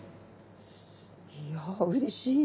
いやうれしい。